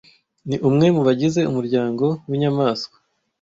ni umwe mubagize umuryango winyamanswa